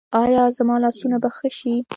ایا زما لاسونه به ښه شي؟